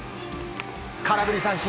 空振り三振！